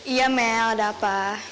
iya mel ada apa